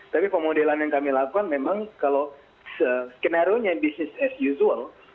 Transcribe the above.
tapi pemodelan yang kami lakukan memang kalau skenario nya business as usual